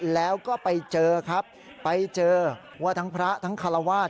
แล้วก็ไปเจอครับไปเจอว่าทั้งพระทั้งคารวาส